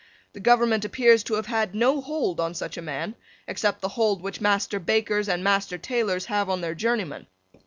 The government appears to have had no hold on such a man, except the hold which master bakers and master tailors have on their journeymen.